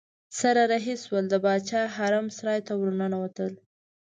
سره رهي شول د باچا حرم سرای ته ورننوتل.